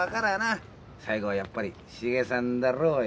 最後はやっぱりシゲさんだろおい？